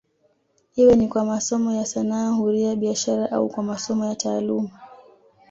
Iwe ni kwa masomo ya sanaa huria biashara au kwa masomo ya taaluma